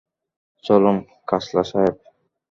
চলুন, কাজলা সাহেব।